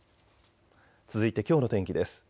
続いてきょうの天気です。